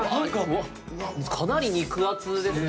かなり肉厚ですね。